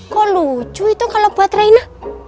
kok lucu itu kalau buat raina